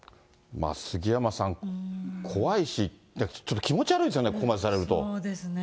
杉山さん、怖いし、ちょっと気持ち悪いでそうですね。